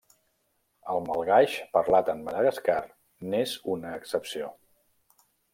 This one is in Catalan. El malgaix, parlat en Madagascar, n'és una excepció.